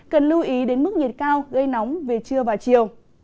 cần lưu ý đến mức nhiệt cao gây nóng về trưa và chiều